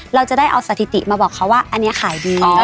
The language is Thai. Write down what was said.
เราจะได้เอาสถิติมาบอกเขาว่าอันนี้ขายดี